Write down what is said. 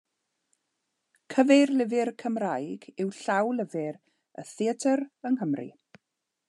Cyfeirlyfr Cymraeg yw Llawlyfr y Theatr yng Nghymru.